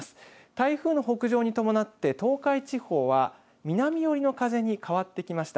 台風の北上に伴って東海地方は南寄りの風に変わってきました。